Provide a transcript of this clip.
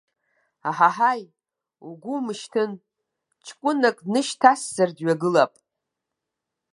Аҳаҳаи, угәы умышьҭын, ҷкәынак днышьҭасзар, дҩагылап!